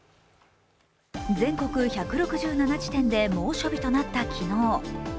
全国１６７地点で猛暑日となった昨日。